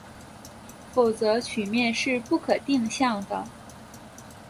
否则曲面是不可定向的。